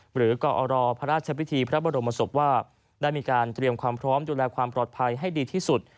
หรือกอรพระราชพิธีพระบรมศพว่าได้มีการเตรียมความพร้อมดูแลความปลอดภัยให้ดีที่สุด